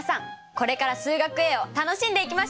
これから「数学Ａ」を楽しんでいきましょう！